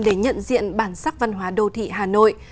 để nhận diện bản sắc văn hóa đô thị hà nội